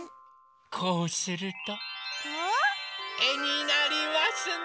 こうするとえになりますね。